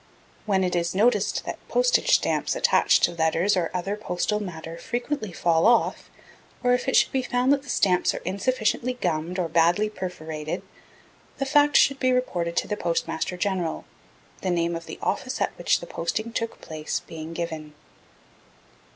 When it is noticed that Postage Stamps attached to letters or other postal matter frequently fall off, or if it should be found that the stamps are insufficiently gummed or badly perforated, the fact should be reported to the Postmaster General, the name of the office at which the posting took place being given.